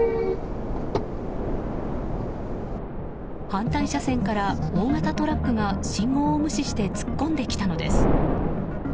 反対車線から大型トラックが信号を無視して突っ込んできたのです。